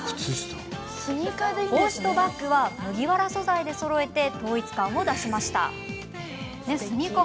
帽子とバッグは麦わら素材でそろえて統一感を出しました。